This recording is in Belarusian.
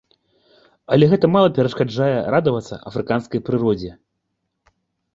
Але гэта мала перашкаджае радавацца афрыканскай прыродзе.